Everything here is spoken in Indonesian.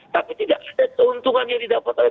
tapi tidak ada keuntungan yang didapat oleh